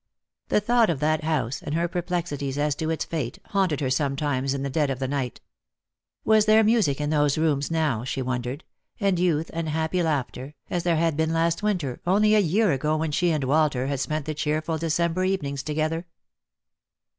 The thought of that house, and her perplexities as to its fate, haunted her sometimes in the dead of the night. Was there music in those rooms now, she wondered, and youth and happy laughter, as there had been last winter, only a year ago, when she and Walter had spent the cheerful December evenings to gether?